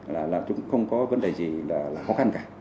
là chúng không có vấn đề gì là khó khăn cả